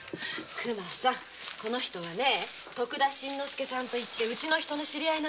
この人はね徳田新之助さんってうちの人の知り合い。